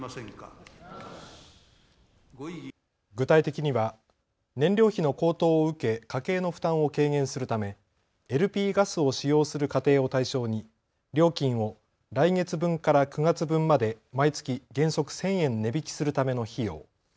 具体的には燃料費の高騰を受け家計の負担を軽減するためＬＰガスを使用する家庭を対象に料金を来月分から９月分まで毎月原則１０００円値引きするための費用。